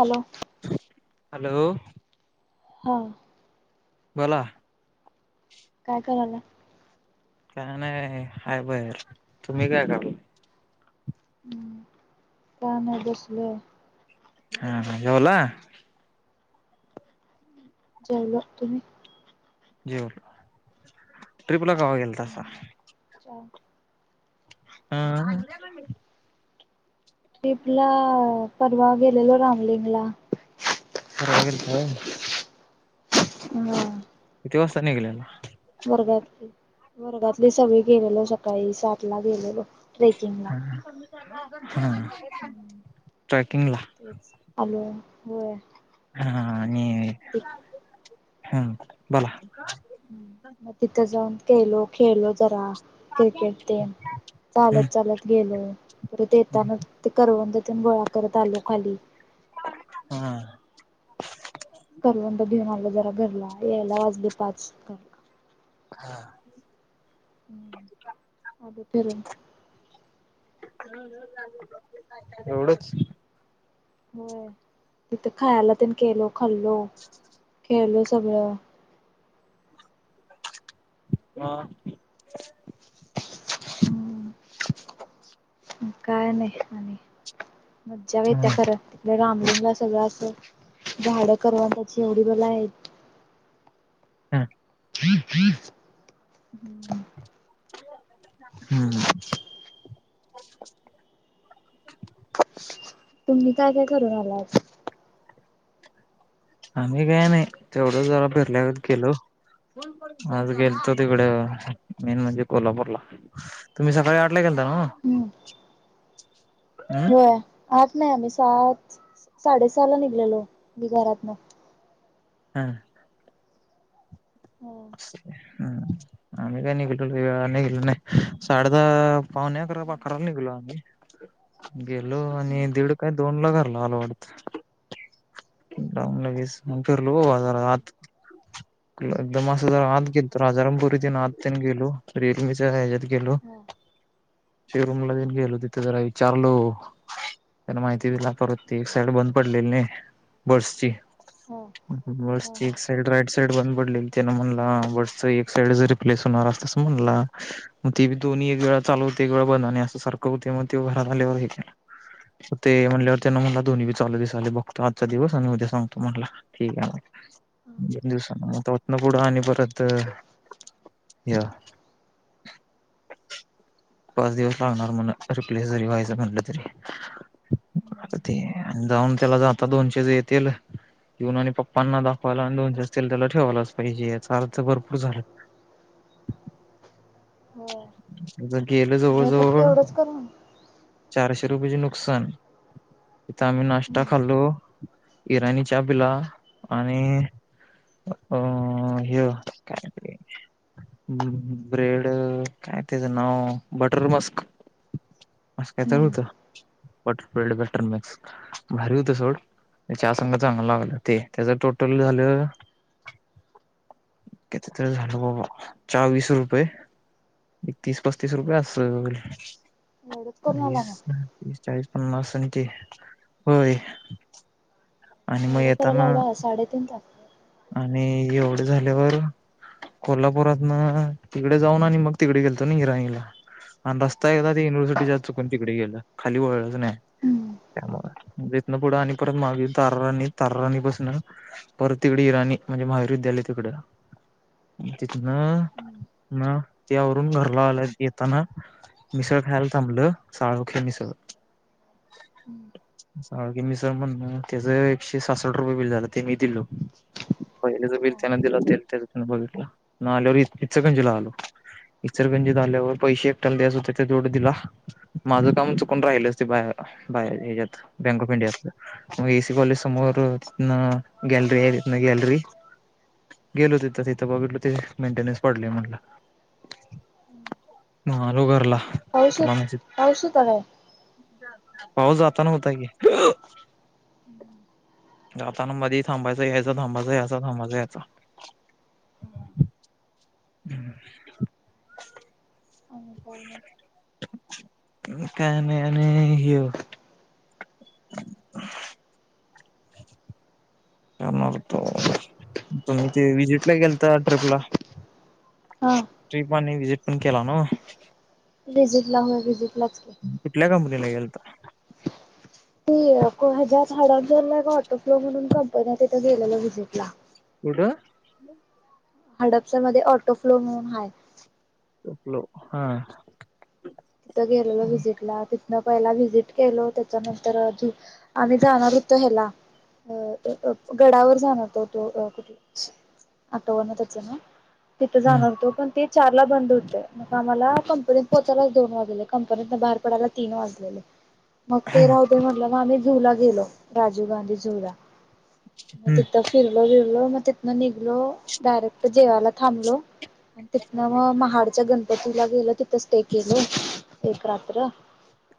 Hello. Hello हां. बोला. काय करायला काय नाही, हाय बररं,, तुम्ही काय करलाय. हम्,, काय नाय बसलोय. हा, हा, जेवला जाऊल तु जेवलो,,, ट्रिपला कवा गेल तासा. च. हांऽऽ ट्रिपला ऽऽऽपरवा गेलेलो रामलिंग ला. परवा गेलता वय. हम्.. किती वाजता निघलेला. वर्ात वर्गातली सगळी गेलेलो सकाळी सात ला गेलेलो. ट्रेकिंगला.. ह ट्रेकिंग ला तेच आलो होय हा हम् बला मग तिथं जाऊन खेलो खेळलो जरा क्रिकेट ते हम्म चालत चालत गेलो पर ते येताना ते करवंन्दे गोळा करत आलो खाली हम् करवांड घेऊन आलं जरा घरला यायला वाजली पाच हा हम्म आ फर एवढंच होय तिथ खायला त केलो खाल्लो खेळलो सगळं हा हम्म. काय नाही आणि. मज्जा येत्या खर तिथ रामलिंग- सगळं. असं झाडं करवंदयाची एवढी बला आहेत. हं. ह. हम्. तुम्ही काय काय करून आलात? आम्ही काय नाही. तेवढं जरा [unintelligible] केलो. आज गेलतो तिकडे. मेन म्हणजे कोल्हापूरला. तुम्ही सकाळी आठला गे- ला ना? हो. आज- नाही आम्ही, सात साडेसहा ला निघलेलो मी घरातन. हम्म. हा अ [inaudible] ह आम्ही काही नाही निघलो. निघलो नाही साडे दहा पावणे अकरा अकराला निघलो. गेलो आणि दीड काय दोन ला घरला आलो वाटत. [inaudible] जाऊन लगेच मंग फिरलो हा बाजारात - [inaudible] एकदम असं, ज आत गेल तर राजारामपुरी इथ आत त्यां गेलो. रिअलमीच्या ह्याच्यात गेलो. हा. शो रूमला देऊन गेलो तिथे जरा विचारलो. त्याला माहिती दिली. परत त एक साईड बंद पडलेली नाही बड्स ची. हा हा बड्स हा हा एक साइड राईट- बड्स ची एक साईड् बंद पडलेली. त्याना म्हणलं हां बड्सची एक साईड जरी [unintelligible] मी एक वेळा चालवते एक वेळा बंद असं सारखं होते मग ते घरात आल्यावर हे केलं. ते म्हटल्यावर त्यांना म्हणलं, दोन्हीबी चालू दे बघतो आजचा- दिवस आणि उद्या सांगतो म्हटल. ठीक आहे म्हणे. दोन दिवसांन मगता होत ना पुढं आणि परत- या. पाच दिवस लागणार म्हण रिप्लेस जरी व्हायचं म्हणलं तरी. ते. जाऊन त्याला आता दोनशे येतील- येऊन आणि पप्पांना दाखवायला आणि दोन चार दिवस त्याला ठेवायलाच पाहिजे. या चाल तर भरपूर झालं. [inaudible] हो. गेलं जवळ म फक्त जवळ एवढंच करू? चारशे रुपयेचे नुकसान. तिथं आम्ही नाश्ता हम्म खाल्लो- इराणी चहा पिला आणि- अ हे- काय ते? हम्. ब्रेड, काय तेच नाव बटर मस्क. म काय चाल होतं हम्म वॉटरफल्ड बॅटन मॅक्स भारी होत सोड. चाह संग चांगला लागलं ते त्याचं टोटल झालं- केत तरी झालं बाबा. चा वीस रुपये- एकतीस पस्तीस रुपये असल. एवढंच करून आला ना चाळीस पन्नास आणखी. होय. आणि मग एवढं करायला येताना एवढा साडेतीन तास - आणि एवढे झाल्यावर- कोल्हापुरात ना तिकडे जाऊन आणि मग तिकडे गेलतो ना ईराणीला. आणि रस्ता आहे एकदा ते युनिव्हर्सिटीच्या चुकून तिकडे गेलो. खाली गेलोच नाही. हम्म त्यामु जेतन पुढं आणि परत माग तार्रानी तार्रानी पासन परत- तिकडे इराणी म्हणजे महावीर महाविद्यालयए तिकड. तिथनं- हम्म म त्यावरून घरला आला, येताना मिसळ खायला थांबलं साळोखे मिसळ. [inaudible] साळुंखे मिसळ म्हणून त्याच एकशे सासष्ट रुपये बिल झालं ते मी दिलो. पहिलेच बिल त्यान दिलं, हो ते त्या बघित ना आल्यावर इचकंजिला आलो. इचलकरगंजी आल्यावर पैसे एकट्याला द्याचं होत तेवढं दिलं, माझं काम चुकून राहिलच ते बाहे बाहेर ह्याच्यात बँक ऑफ इंडियात, मग एसी कॉलेज समोर गॅलरी आहे. गॅलरी गेलो तिथं तिथं बघितलो ते मेंटेनन्स पडले म्हणला. म आलो घरला. पाऊस तुला मेसेज पाऊस होता का? पाऊस जाता ना होता कि! जाताना मधी थांबायच यायचं थांबायचं यायचं थांबाच यायचा. हा. [inaudible] हो न काय नाही आणि हे मग तो, तुम्ही ते विजिटला गेलता ट्रिपला हा. ट्रिप आणि विजिट पण केला नव? विजिटला होयिजिट ला कुठल्या कंपनीला गेलता? ती ह्याच्यात हडपसरला एक ऑटोफ्लो म्हणून कंपनी तिथे गेलेला वि्हजिटला. कुठ? हडपसर मध्ये ऑटो फ्लो म्हणून हाय. फ्लो हा. म पहिला व्हिजिट केलो, त्याच्यानंतर अ आम्ही जाणार होतो ह्याला अ गडावर जाणार तो तो कुठे आठवण त्याच नाव! तिथं हम्म जाणार होतो पण ते चारला बंद होते मग आम्हाला पोहोचायलाच दोन वाजले, कंपनीत ना बाहेर पडायला तीन वाजलेले. झू ला गेलो राजीव गांधी, झू हम्म तिथं फिरलो गेलो. मग तिथनं निघलो डायरेक्ट जेवाला थांबलो. तिथनं मग, महाडच्या गणपतीला गेलं तिथं स्टे केलं एक रात्र.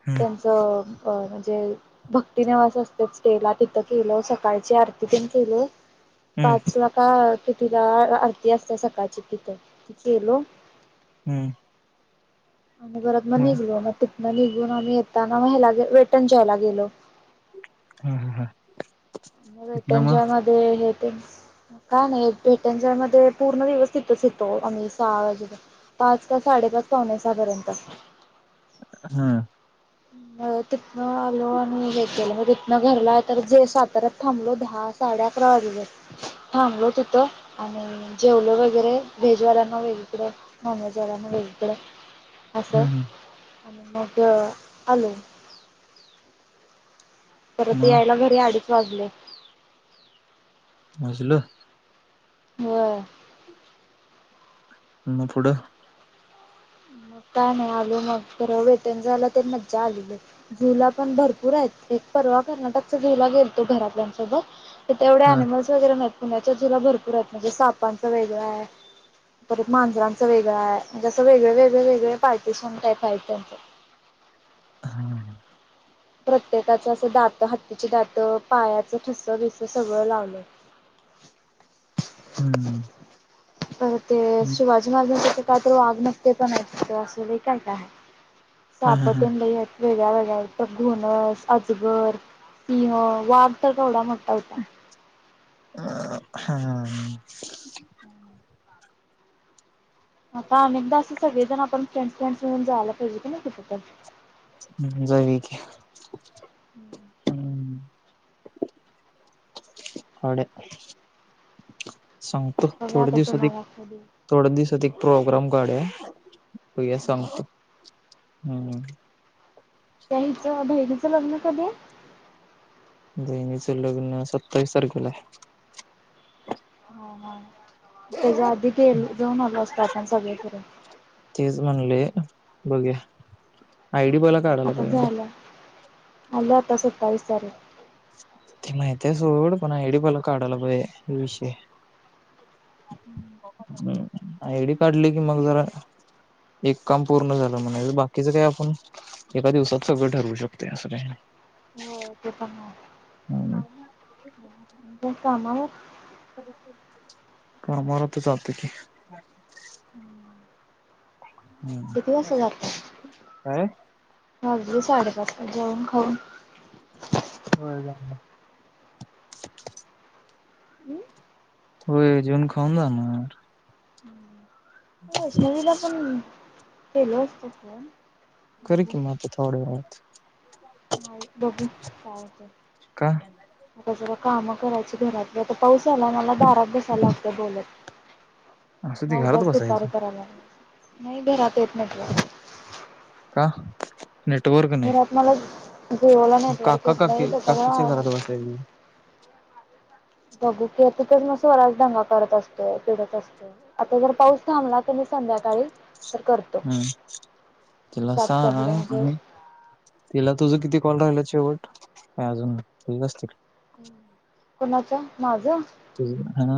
हम्म त्यांचं भक्ती निवास असत स्टे ला तिथं केलं सकाळची आरती पण केलं. हम्म पाच ला का कितीला आरती असते सकाळची तिथं तिथे केलो. हम्म. आणि परत मग निघलो, मग तिथनं निघून आम्ही येताना मग वेट न जॉय ला गेलो. हा हा हा. म तिथनं वेटन मग जॉय मध्ये हे काय नाही पेट्यांच्या मध्ये पूर्ण दिवस तिथच होतो आम्ही सहा पाच का साडेपाच पावणे सहा पर्यंत. हा. तिथनं आलो, आणि हे केलं म तिथनं घरला तर जे साताऱ्यात थांबलो दहा साडे अकरा वाजले. थांबलो तिथं, आणि जेवलं वगैरे व्हेजवाल्यांना वेगळीकडे नॉन व्हेजवाल्यांन वेगळीकड, अस हम्म हम्म आणि मग आलो. परत मग यायला घरी अडीच वाजले. वाजलं? व्हय. मग पुढ- मग काय नाही आलो मग खर वेट न जॉय ला मज्जा आली लय झू ला पण भरपूर आहेत. परवा कर्नाटकच्या झू ला गेलतो घरातल्यासोबत तिथे एवढे हा अनिमल्स वगैरे नाही. पुण्याच्या झूला भरपूर आहेत म्हणजे सापांच वेगळ आहे. परत मांजरांचं वेगळं आहे म्हणजे अस वेगळं वेगळं. वेग वेगळे पार्टी टाईप आहे त्यांच्यात हा प्रत्येकाचं असं दात हत्तीचे दात पायाच ठस बीस सगळ लावलय. [inaudible] हम्म. तर ते शिवाजी महाराजांसाठी का तर वाघ नसते तर नाही असल काय काय आहे हा हा साप हा तेन लय आहेत. वेगळ्या वेगळ्या इथ घोनस अजगर सिंह वाघ तर केवढा मोठा ठा होता. अ हम्म हम्म. आता अनेकदा असं सगळेजण आपण फ्रेंड्स फ्रेंड्स मिणून जायला पाहिजे कणी कुठे तर हम जाऊया की [inaudible] काढुया. सांगतो बघा थोडे आता दिवसात एक तुम्हाला कधी थोड्या दिवसात एक प्रोग्राम काढुया. बघुया हा सांगतो हम्म. त्याहीचं भहिरीचं लग्न कधी आहे. बहिणीचं लग्न सत्तावीस तारखेला आहे. हा हा हा. त्याच्या आधी गे जाऊन आलो असतो आपण सगळे फिरून बघुया आयडी बला काढला पाहिजे मग अल्या आता सत्तावीस तारीख ते माहित आहे सोड पण आयडी पहिला काढायला पाहिजे हा विषय आहे. हम् आयडी काढली कि मग जरा एक काम पूर्ण झालं म्हणायचं बाकीच काय आपण एका दिवसात सगळं ठरवू शकते असं काय नाही. हो ते पण ना. हम्म, कामावर कामावर आता जातो की हम्म. हम्म, किती वाजता जातोस काय वाजले साडेपाच जेऊन खाऊन. होय. होय जेऊन खाऊन जाणार. वैष्णवीला पण केलो असत फोन खरी बघू कि मझ थोडी वात नाही बघू का कात काम करायची घरातलीता पाऊस आला मला बारात बसायला लागत बोलत. असं ते न घरात उद्याच दधिकार बसायचं करायला नाही बे राते इत मिट का? नेटवर्क घर नाही आत मला जेओला मग नेटवर्क काका येत नाही काकी तरला काकीच्या घरात बसायचं [inaudible] बघू की तर नसत. स्वराज ंगा करत असतोय पिडत असतो आता जर पाऊस थांबला तर मी संध्याकाळी तर करतो हम् तिला सातच्या सांग पुढं आ म्हणजे तिला तुझ किती कॉल राहिलाच. शेवट अजून ठीक असतील. कोणाच माझ. ह ना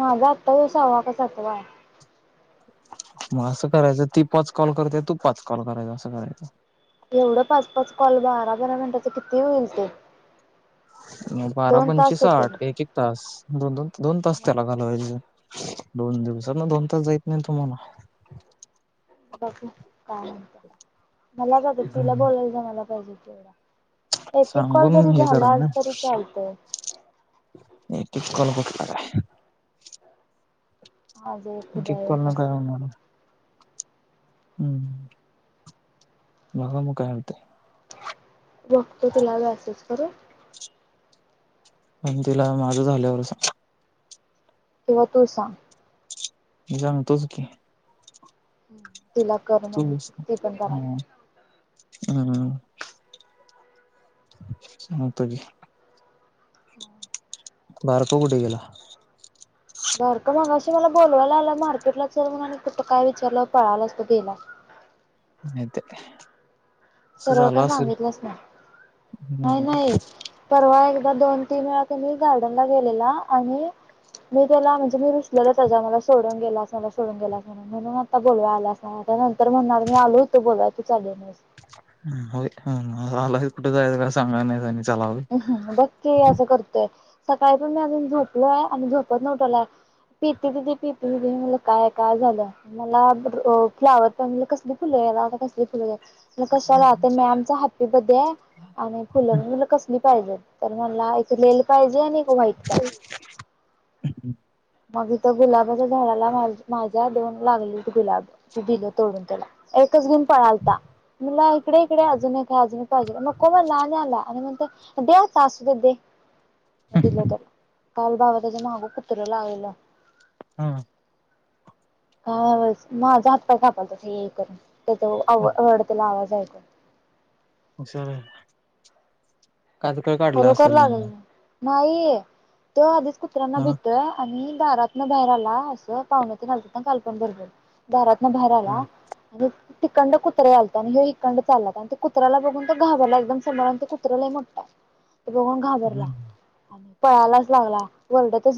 माझा आत्ता दिवसा हवा कसतवा मग असं करायचं ती पाच कॉल करते तू पाच कॉल करायचा असं करायचं एवढं पाच पाच कॉल बारा बारा मिनिटाच किती होईल ते बारा दोन पंचवीस तास होतील साठ एक एक तास दोनोन दोन तास मग त्याला घालवायचे दोन दिवसात ना दोन तास जायत नाही तुम्हाला बघ काय म्हणत मला क तिला हम्म बोलायच मला पाहिजे तेवढा एक एक कॉल सांगून जरी हे करा झाला ना तरी चालतय बा बाय आज एक िक उद्या करोल एक ना काय असं होणार हम्म माझा म काय होत वक्त तलाव असंच करू पण तिला माझं झाल्यावर किंवा तू सांग जाणतोच की तिला कर ती पण करा हम् मतज होम बारतो कुठे गेला बर का मग अशी मला बोलवायला आलं मार्केटला चल म्ह कुठं काय विचारलं पळाला असतो गेयला हा नाहीेत सरळ का सांगितलंच ना नाही हम्म नाही परवा एकदा दोन त मेळा त्यां मी गार्डन ला गेलेला आणि मी त्याला म्हणजे मी रुचलेल त्याच्या मला सोडून गेलास मला सोडून गेलास म्हणून म्हणून आता बोलवा आलास ना त्या नंतर म्हणणार मी आलो होतो बोलाय तू चास ह आला कुठे जायचं का सांगा नाही चला होय बघ ते असं करतय सकाळी पण मी अजून झोपलोय आणि झोपत नव्हटलाय पीती दिदी पीती म काय काय झालं मला फ्लाॉवर प कसली फुले त्याला आता कसली फुल द्यावी मग कशाला तर म्याम चा हॅप्पी बडे आहे आणि फुलं मी मनल कसली पाहिजे तर मला एक लेल पाहिजे आणि एक वा्हाईट पाहिजे मगथ गुलाबाच्या झाडाला माझ्या दोन लागले गुलाब दिलं तोडून त्याला एक घे पळालता मला इकडे इकडे अजून काय अजून पाहिजे मग मग लहान आला आणिग द्या असू दे दे दिल त्याला काल भावा त्याचं माहागं पुत्र लागलं हा काय माझा हातपाय कापाल तस हे करून त्यावडतेला आवाज. बयकल [unintelligible] कात काळ काढला खरोखर असेल लागल त्यांना. नाही तो आधीच कुत्र्यांना मग भितोय आणि.. दारात न बाहेर आला असं पाहुण्यात घालतात ना कालपण भरबर दारात. भराला अ तिकंड कुत्रे आलात आणि हे हिंड चालतात आणि ते कुत्र्याला बघून तर घाबरला एकदम समोर ते कुत्र्या ल मोट. बघून घाबरला हम्म आणि पळायलाच लागला ओरडतच